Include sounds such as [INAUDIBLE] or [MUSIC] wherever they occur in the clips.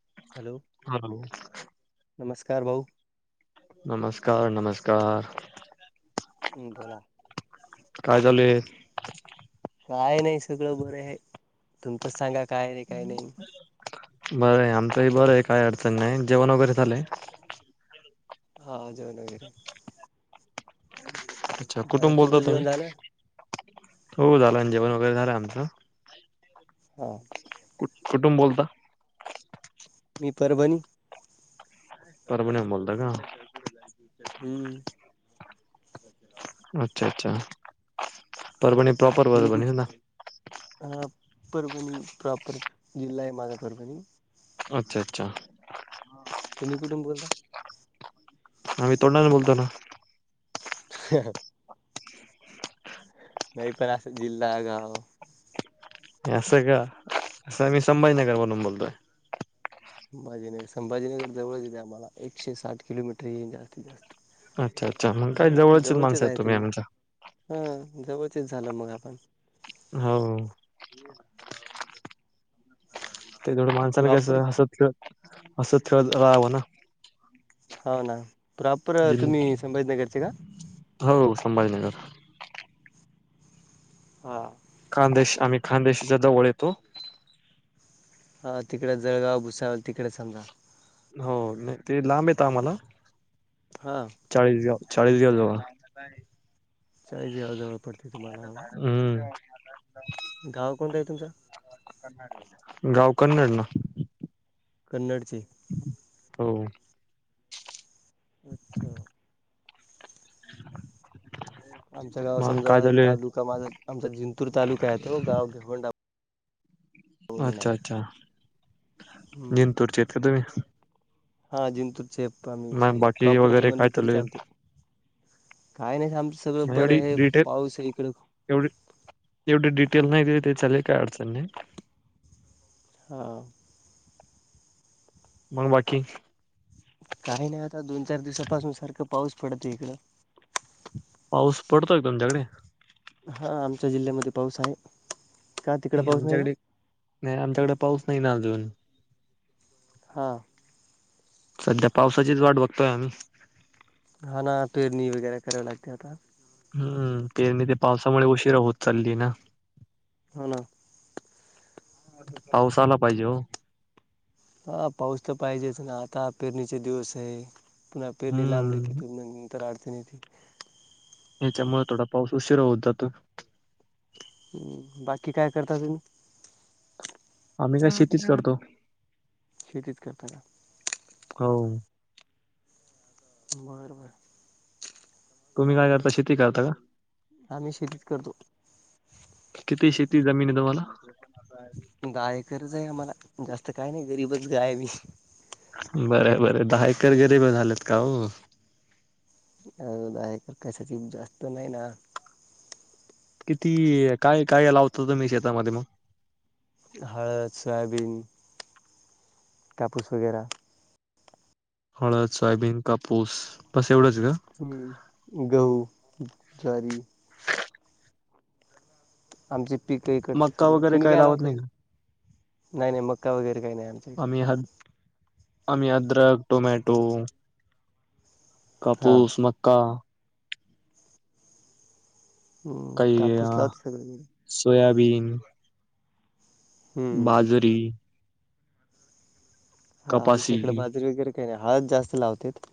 ह खर भाऊ नमस्कार नमस्कार हम्म बोला काय चालूय काय नाही सगळं बरं आहे तुमचंच सांगा काय नाही काय नाही बरं आहे आमचंही बरं आहे काय अडचण नाही जेवण वगैरे झालंय हा जोन वगैरे अच्छा झालं कुठुून बोलता तुमचं तुम्ही जेवण झालं हो झालं जेवण वगैरे झालं आमचं हा कु कुटुंब बोलता मी परभणी परभणे बोलता का हम्म अच्छा अच्छा तररप प्रॉपर वर तुम्ही कुठ भस ना हा परभणी प्रॉपर जिल्हा आहे मात परभणी अच्छा अच्छा तुमही कुटुमब बोलता आम्ही तोंडाने बोलतो ना ह नाही पण असं जिल्हा गाव असं का असं मी संभाजीनगर वणून बोलतोय संभाजीनगर संभाजीनगर जवळचेते आम्हाला एकशे साठ किलोमीटर हे जास्तीत जास्त अच्छा अच्छा मग काय जवळ जवळची माणस आहेत तुम्ही आमच्या व्यवथित झालं मग आपण हो ते थवढं माणसाांं प्रॉपर कसं हसतलं असं खेळत राहावं ना हो ना प्रॉपर दि तुम्ही संभाजीनगरचे का हो संभाजीनगर हा खानदेश आम्ही खानदेशच्या जवळ येतो. ह तिकडे जळगाव भुसाळ तिकडे समजा. हो नाही ते लांब येत आम्हाला हा चाळीसगाव चाळीस घ्या जावा चाळीसगावाजवळ हम्म गाव कोणतं आहे तुमच? गाव कन्नड ना कन्नड हो अच्छा आमच्या गाव मग समजा काय झाले तालुका माझा आमचा जिंतूर तालुका आहे तो गाव भिवंडा अच्छा अच्छा. हम्म जिंतूर चे आहेत का तुम्ही हा जिंतूरचे आम्ही मग समजा बाकी प्रॉपरच वगैरे काय म्हणलं तरी चालू आहे चालते. काय नाही आमच सगळं नाही बरं एवढी आहे डिटेल पाऊस आहे इकड तेल नाही तरी ते चालेल काही अडचण नाही. हा मग बाकी काही नाही आता दोन चार दिवसापासून सारखं पाऊस पडत इकडं पाऊस पडतोय तुमच्याकडे? हा आमच्या जिल्ह्यामध्ये पाऊस आहे. का तिकडे नाही पाऊस का आमच्याकडे नाही आमच्याकडे पाऊस नाही ना. अजून हा सध्या पावसाचीच वाट बघतोय आम्ही. हा ना पेरणी वगैरे कराव लागते आता हम्म ते म ते पावसामुळे उशीरा होत चालली ना. हो ना पाऊस आला पाहिजे ओ. हा पाऊस तर पाहिजेच ना आता पेरणीचे दिवस आहे. पेरणी लांबलय की हम्म तीन महिने तर अडचणी येते याच्यामुळे थोडा पाऊस उशिरा होत जातो. हम्म बाकी काय करता तुम्ही? मी काय शेतीच करतो. शेतीच करता का. हो. बर बर तुम्ही काय करता शेती करता का? आम्ही शेतीच करतो. किती शेती जमीन आहे तुम्हाला दहा एकरच आहे आम्हाला जास्त काय नाही गरीबच गाय आम्ही बर बर दहा एकर गरिब झालेत का हो. अ आहे कसाची जास्त नाही ना. किती काय काय लावता तुम्ही शेतामध्ये मग? हळद, सोयाबीन, कापूस वगैरा हळद, सोयाबीन, कापूस बस. एवढंच का? हम्म गहू ज्वारी. आमची पीकही इकडचे मक्का समजा वगैरे तुम्ही काही काय लावत लावता? नाही का? नाही नाही मका वगैरे काही नाही आमच्याकड आम्ही हद आम्ही अदरक, टोमॅटो हा कापूस, मक्का हम्म कापूस लावत्यात सगळीकडे बीन हम्म बाजरी हा आमच्या कपासी, इकडे बाजरी वगैरे काय नाही हळद जास्त लावत्यात.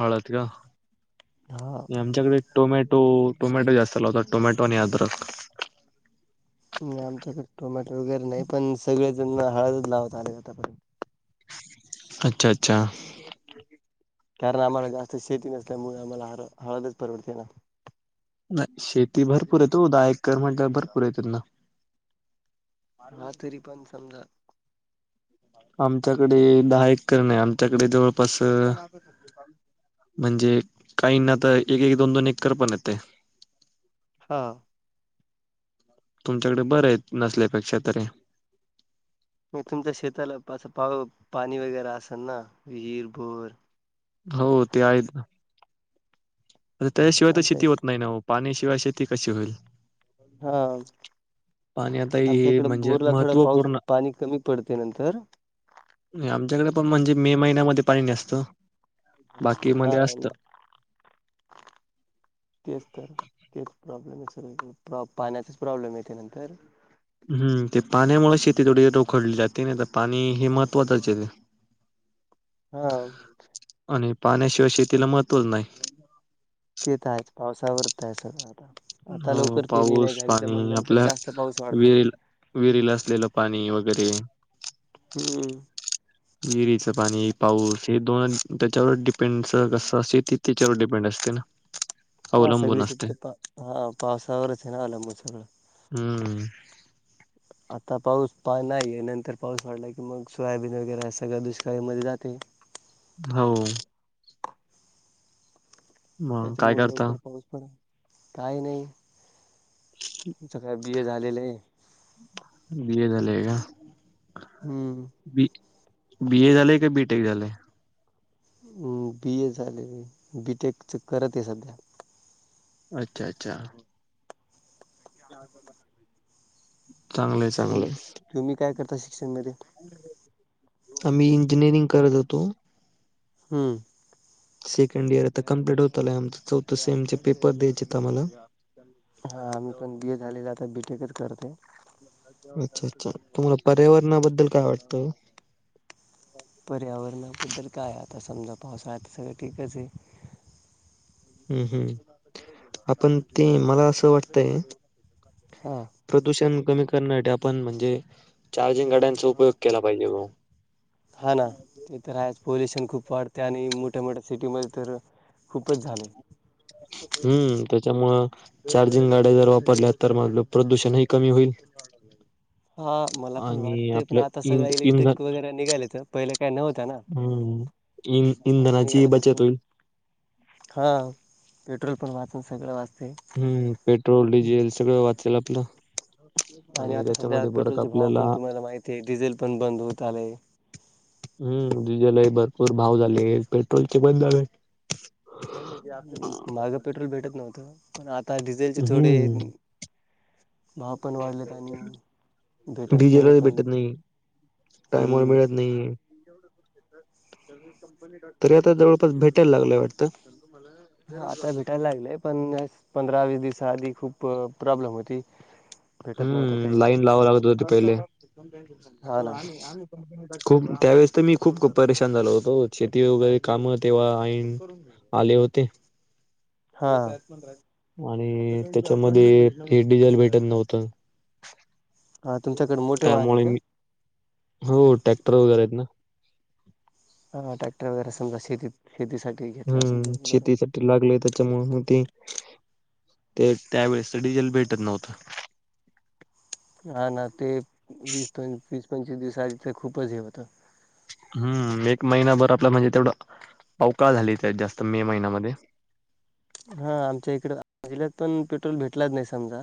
हळद का? हा आमच्याकडे टोमॅटो टोमॅटो जास्त लावतात टोमॅटो आणि आदरक नाही आमच्याकडे टोमॅटो वगैरे नाही पण सगळे जण ना हळदच लावत आले आतापर्यंत अच्छा अच्छा कारण आम्हाला जास्त शेती नसल्यामुळे आम्हाला ह हळदच परवडते ना नाही शेती भरपूर आहेत वो दहा एकर म्हटल्या भरपूर आहे त्यांना हा तरी पण समजा आमच्याकडे दहा एकर नाही आमच्याकडे जवळपास म्हणजे काहीना तर एक एक दोन दोन एकर पण येतय. हा तुमच्याकड बरं आहे नसल्यापेक्षा तरी म तुमच्या शेताला पा पा पाणी वगैरे असेल ना विहीर, बोर हो त्याच्याशिवाय तर आमच्या शेती होत नाही ना पाणी शि [UNINTELLIGIBLE] शेती कशी होईल? हा पाणी आता आमच्या हे इकडे म्हणजे बोरला थोडा पाऊस महत्त्वपूर्ण पाणी कमी पडते नंतर आमच्याकडे पण म्हणजे मे महिन्यामध्ये पाणी न असतो. बाकी हा मध्ये असत. तेच तर तेच प्रॉब्लेम आहेत सगळी कड पा-पाण्याचा प्रॉब्लेम येते नंतर. हम्म ते पाण्यामुळ शेती थोडी रोखडली जाते नाही तर पाणी हे महत्त्वाचचे हे. हा आणि पाण्याशिवाय शेतीला महत्त्वच नाही. तेेत आहेच पावस. [INAUDIBLE] हो, पाऊस पाणी नंतर आपल्या जास्त पाऊस वाढतो. विहिर विहिरीला असलेलं पाणी वगैरे. हम्म. विरीचं पाणी पाऊस हे दोन त्याच्यावर डिपेंड सगस अस शेती त्याच्यावर डिपेंड असते ना. हा अवलंबून सगळी असते शेती पा ह पावसावरच आहे ना अलंबून सगळं. हम्म आता पाऊस पा नाहीय नंतर पाऊस पडला, की मग सोयाबीन वगैरे सगळं दुष्काळीमध्ये जाते. हो मग काय त्याच्यामुळ करता? लवकर पाऊस पडा. काही नाही. आमच काय बि. ए. झालेलं आहे. [INAUDIBLE] हम्म. बी बी. ए. झालंय का बी-टेक झालंय. हम बीए झालय, बीटेक च करत हे सध्या. अच्छा-अच्छा. [INAUDIBLE] चांगलंय-चांगलंय. ' [INAUDIBLE] आम्ही इंजिनिअरिंग करत होतो हम्म सेकंड इयर आता कम्प्लेट होत आलय, आमच चौथं सेम चे पेपर द्यायचेत आम्हाला. हा आम्ही पण बी. ए. झालेलं आता, बी. टे टिकत करते. अच्छा अच्छा तुम्हाला पर्यावरणाबद्दल काय वाटत. पर्यावरणा बद्दल. काय आता समजा पावसाळात सगळं ठीकच आहे. हम्म हम्म आपण ते मला असं वाटतय. हां प्रदूषण कमी क वेन नाईट आपण म्हणजे चार्जिंग गाड्यांचा उपयोग केला पाहिजे ग. हा ना ते तर आहेच, पोल्युशन. खूप वाढते आणि मोठ्या मोठ्या सिटीमध्ये तर खूपच झाले हम्म त्या त्यामुळ चार्जिंग गाड्या जर वापरल्या तर म्हणलं प्रदूषण ही कमी होईल. हा मला पण आणि वाटतय पण आपलं आता सगळं इंध इंधन इलेक्ट्रिक वगैरे निघायलत पहिलं काय नव्हत ना हम्म इन आता इंधनाची निघायल तर बचत थोडं होईल हा पे ट्रोल पण वाचल सगळ वाच हम् पेट्रोल, डिझेल सगळं वा चेल आपल आणि आता सध्या पेट्रोलचे भाव पण तुम्हाला माहती आहे, डिझेल पण बंद होत आलय हम्म डिझेलही भरपूर भाव झाले, पेट्रोलचे पण झाले. मागं पेट्रोल भेटत नव्हतं पण आता डिझेलचे थोडे भाव पण वाढलेत आणि भेटत नाही डिझेलच पण भेटत नाही, टाईमवर हम्म मिळत नाही. तरी आता जवळपास भेटायला लागलंय वाटत. हा आता भेटायला लागलंय पण पंधरा-वीस दिवसा आधी खूप प्रॉब्लेम होती. भेटत नव्हतं हम्म काही लाईन लावा लागत होते पहिले. हा ना खूप त्यावेेळेस तर मी खूप परेशान झालो होतो, शेती वगैरे काम तेव्हा ‌ऐन आले होते. हा ते त्यात पंधरा आणि त्याच्यामध्ये हे डिझेल भेटत नव्हतं. हा तुमच्याकडे मोठे वाहन आहेत त्यामुळे का? मी हो टॅक्टर वगैरे आहेत ना ह ट्रॅक्टर वगैरे समजा शेती हम्म शेतीसाठी लागले त्याच्यामुळ म ते ते त्यावेेळेस तर डिजेल भेटत नव्हतं. हा ना ते वीस पंचवीस पंचवीस दिवसाआधी तर खूपच हे होतं. हम्म एक महिनाभर आपलं म्हणजे तेवढं पावकाळ झाली त्या जास्त मे महिन्यामध्ये हा आमच्या इकड जिल्ह्यात पण पेट्रोल भेटलाच नाही समजा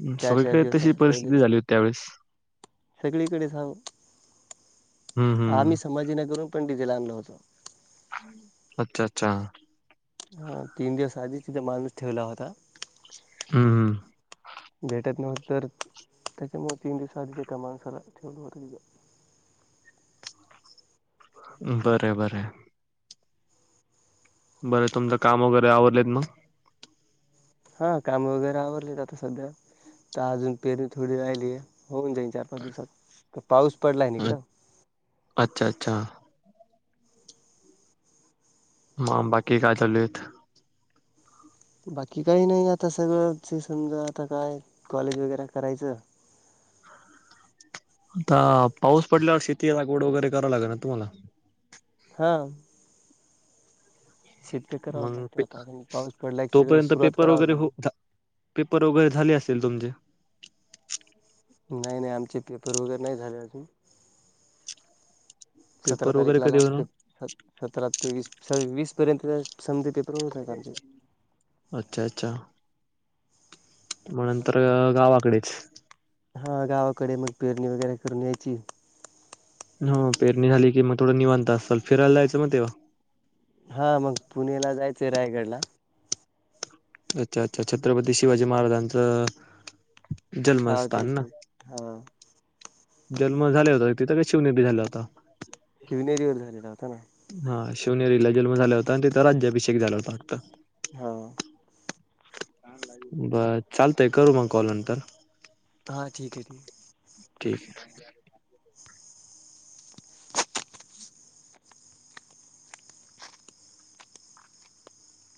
हम्म, चार चार सगळीकडे दिवस तशी असं परिस्थिती पहिलंच, झाली होती त्यावेळेस सगळीकडे जाऊन हम्म हम्म आम्ही संभाजी नगरहून पण डिझेल आणलं होतं. अच्छा अच्छा हा तीन दिवस आधीच तिथ माणूस ठेवला होता. हम्म हम्म. भेटत नव्हतं तर त्याच्यामुळ तीन दिवस आधीच एका माणसाला ठेवलं होत तिथं बर, बर. बरं तुमचं काम वगैरे आवरलेत मग. हा काम वगैरे आवरलेत आता सध्या तर अजून पेरीनी थोडी राहिली, होऊन जाईन चार पाच दिवसात. पाऊस पडलाय नी मग का. अच्छा अच्छा ह बाकी काय चालूहाईत. बाकी काही नाही आता सगळं समजा आता काय कॉलेज वगैरे करायचं. आता पाऊस पडल्यावर शेती लागवड वगैरे करावी लागेल ना तुम्हाला. हां. लागते मग, आता अजून पाऊस पडला की सगळं तोपर्यंत सुरुवात पेपर करावंच वगैरे, लागेल पेपर वगैरे झाले, असेल तुमचे. नाही नाही आमचे पेपर वगैरे नाही झाले अजून. सतरा पेपर वगैरे तारीखला कधी लास्ट पे होणार सतरा, तेवीस. सव्वीस पर्यंत समजेल. अच्छा, अच्छा. मग नंतर गावाकडेच. हा गावाकडे मग पेरणी वगैरे करून यायची. हो पेरणी झाली की मग थोडं निवांता असाल, फिरायला जायचं मग तेव्हा. हा मग पुणेला जायचंय रायगडला. अच्छा, अच्छा, छत्रपती शिवाजी महाराजांचं. हा, जन्मस्थान ना ते, हा. जन्म झाले होता तिथं काय शिवनेरी वर झाला होता? शिवनेरीवर झालेला होता ना. शिनेरीला जन्म झाला होता, आणि तिथं राज्याभिषेक झाला होता फक्त. हो. बर चालतय करू मग कॉल नंतर. हां ठीक आहे ठीक आहे. ठीक आहे.